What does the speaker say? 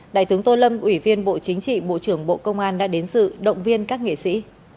đại tướng tô lâm ủy viên bộ chính trị bộ trưởng bộ công an đã đến sự động viên các nghệ sĩ